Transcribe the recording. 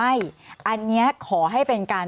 สวัสดีครับทุกคน